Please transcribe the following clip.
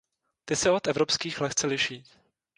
Ty se od evropských lehce liší.